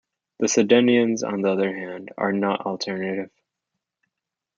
The sedenions, on the other hand, are not alternative.